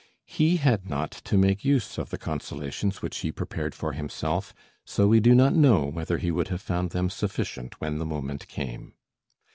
He had not to make use of the consolations which he prepared for himself, so we do not know whether he would have found them sufficient when the moment came.